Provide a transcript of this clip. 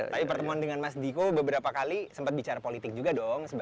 tapi pertemuan dengan mas diko beberapa kali sempat bicara politik juga dong